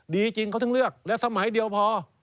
ดีจริงเขาถึงเลือกและสมัยเดียวพอ